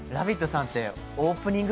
さんってオープニング